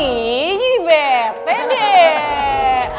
ini bete deh